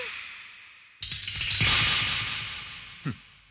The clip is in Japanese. フッ。